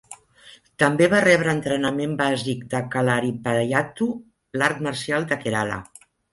També va rebre entrenament bàsic de Kalaripayattu, l'art marcial de Kerala.